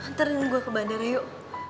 ntar nunggu gue ke bandara yuk